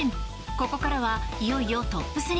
ここからはいよいよトップ３。